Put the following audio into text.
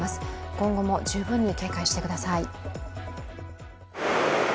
今後も十分に警戒してください。